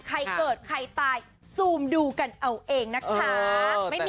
ใครเกิดใครตายซูมดูกันเอาเองนะคะ